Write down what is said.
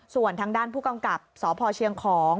ส่วนทางด้านผู้กำกับสพเชียงของ